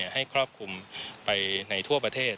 ให้ครอบคลุมไปในทั่วประเทศ